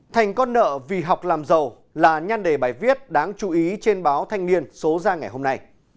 thành con nợ vì học làm giàu là nhan đề bài viết đáng chú ý trên báo thanh niên số ra ngày hôm nay